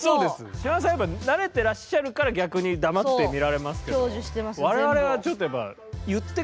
島田さんやっぱ慣れてらっしゃるから逆に黙って見られますけど保てない。